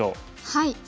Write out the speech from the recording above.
はい。